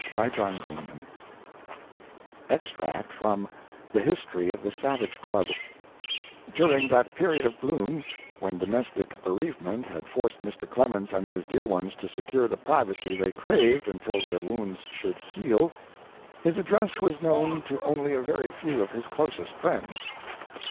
STATISTICS EXTRACT FROM "THE HISTORY OF THE SAVAGE CLUB" During that period of gloom when domestic bereavement had forced Mr. Clemens and his dear ones to secure the privacy they craved until their wounds should heal, his address was known to only a very few of his closest friends.